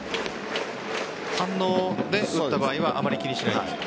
反応で打った場合はあまり気にしないですか？